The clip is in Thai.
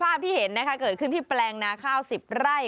ภาพที่เห็นนะคะเกิดขึ้นที่แปลงนาข้าว๑๐ไร่